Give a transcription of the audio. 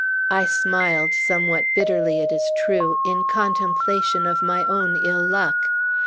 I smiled somewhat bitterly, it is true in contemplation of my own ill luck.